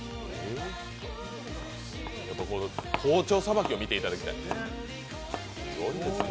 包丁さばきを見ていただきたい。